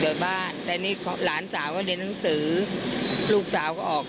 นอกจะมีออกได้แบบนี้นะครับ